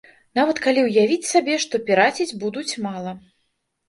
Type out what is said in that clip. Нават калі ўявіць сабе, што піраціць будуць мала.